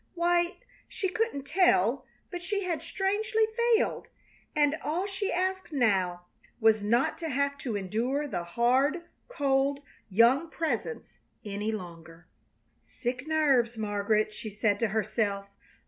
Why, she couldn't tell, but she had strangely failed, and all she asked now was not to have to endure the hard, cold, young presence any longer. "Sick nerves, Margaret!" she said to herself.